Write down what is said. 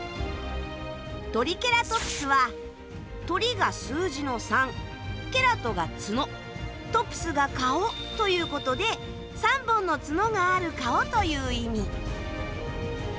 トリケラトプスはトリが数字の３ケラトが角トプスが顔ということで３本の角がある顔という意味。